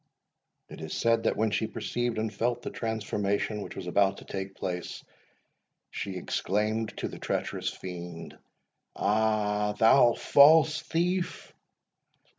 It is said, that when she perceived and felt the transformation which was about to take place, she exclaimed to the treacherous fiend, "Ah, thou false thief!